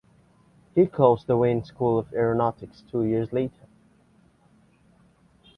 He closed the Wayne School of Aeronautics two years later.